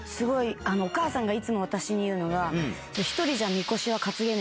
お母さんがいつも私に言うのが。